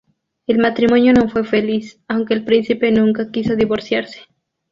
El matrimonio no fue feliz, aunque el príncipe nunca quiso divorciarse.